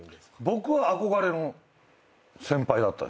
僕は憧れの先輩だったんです。